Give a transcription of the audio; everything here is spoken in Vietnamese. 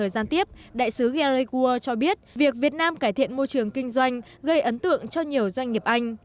gián tiếp đại sứ gary goua cho biết việc việt nam cải thiện môi trường kinh doanh gây ấn tượng cho nhiều doanh nghiệp anh